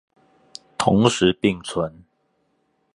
同時並存